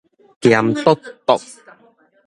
鹹篤篤